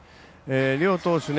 両投手